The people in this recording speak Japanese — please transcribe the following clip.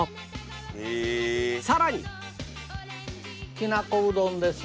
きなこうどんです。